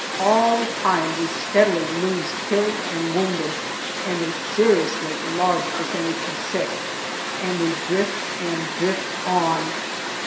All the time we steadily lose killed and wounded and a seriously large percentage of sick, and we drift and drift on.